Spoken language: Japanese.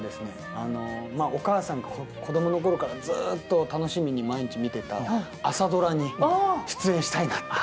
あのお母さんが子供の頃からずっと楽しみに毎日見てた「朝ドラ」に出演したいなって。